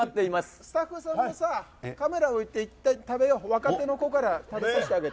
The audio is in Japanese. スタッフさんもさ、カメラを置いていったん食べよう、若手の子から、食べさせてあげて。